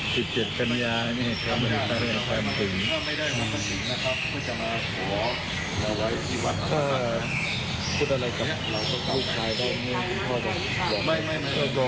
พูดคลายแบบนี้ก็ควรบอก